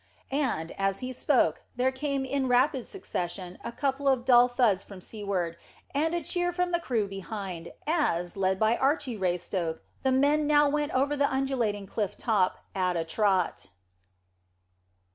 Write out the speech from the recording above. And, as he spoke, there came in rapid succession a couple of dull thuds from seaward, and a cheer from the crew behind, as, led by Archy Raystoke, the men now went over the undulating cliff top at a trot.